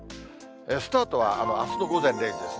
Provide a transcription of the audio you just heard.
スタートはあすの午前０時ですね。